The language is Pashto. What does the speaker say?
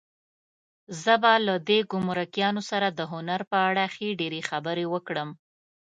زه به له دې ګمرکیانو سره د هنر په اړه ښې ډېرې خبرې وکړم.